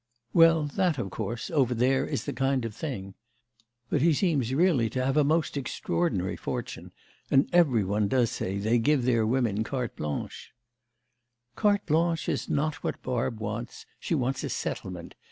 "Well that, of course, over there is the kind of thing. But he seems really to have a most extraordinary fortune, and every one does say they give their women carte blanche." "Carte blanche is not what Barb wants; she wants a settlement.